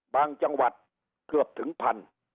จังหวัดเกือบถึงพัน